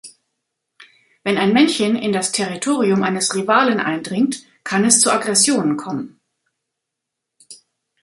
Wenn ein Männchen in das Territorium eines Rivalen eindringt, kann es zu Aggressionen kommen.